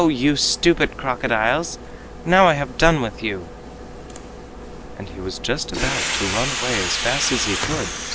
you stupid crocodiles, now I have done with you!" And he was just about to run away as fast as he could.